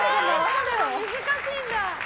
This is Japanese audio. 難しいんだ。